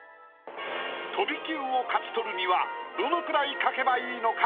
飛び級を勝ち獲るにはどのくらい描けばいいのか？